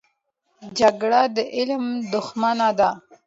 جګړه د علم دښمنه ده